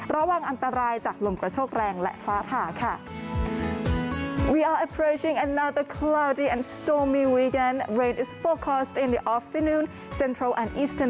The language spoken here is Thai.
ระวังอันตรายจากลมกระโชกแรงและฟ้าผ่าค่ะ